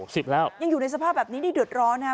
สิบยังอยู่ในสภาพแบบนี้ดืดร้อนค่ะสิบแล้ว